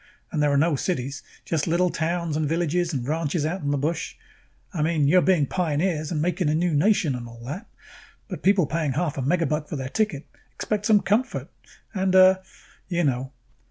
And there are no cities, just little towns and villages and ranches out in the bush. I mean you are being pioneers and making a new nation and all that, but people paying half a megabuck for their ticket expect some comfort and, uh, you know."